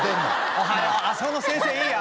「おはようあそこの先生いいよ」